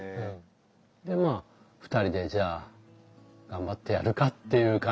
でまあ２人でじゃあ頑張ってやるかっていう感じでうん。